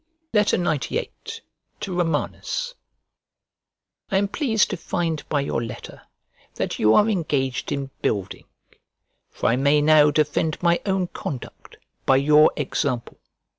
XCVIII To ROMANUS I AM pleased to find by your letter that you are engaged in building; for I may now defend my own conduct by your example.